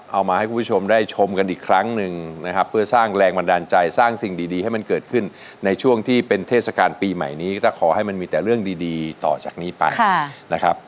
เอามาให้คุณผู้ชมได้ชมกันอีกครั้งหนึ่งนะครับเพื่อสร้างแรงบันดาลใจสร้างสิ่งดีให้มันเกิดขึ้นในช่วงที่เป็นเทศกาลปีใหม่นี้ก็ขอให้มันมีแต่เรื่องดีต่อจากนี้ไปนะครับ